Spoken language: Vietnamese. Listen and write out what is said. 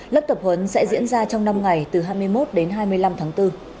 lớp tập huấn sẽ diễn ra trong năm ngày từ hai mươi một đến hai mươi năm tháng bốn